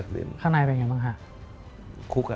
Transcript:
คุกอะ